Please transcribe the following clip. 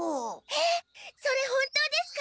えっそれ本当ですか？